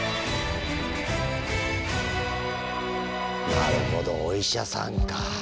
なるほどお医者さんか。